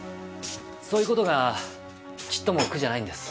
そういう事がちっとも苦じゃないんです。